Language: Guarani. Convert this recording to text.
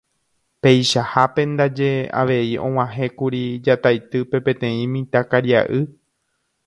Peichahápe ndaje avei og̃uahẽkuri Jataitýpe peteĩ mitãkaria'y.